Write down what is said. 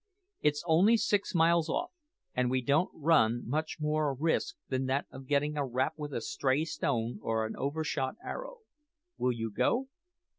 It's only six miles off, and we don't run much more risk than that of getting a rap with a stray stone or an overshot arrow. Will you go?"